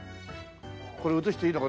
これ写していいのか。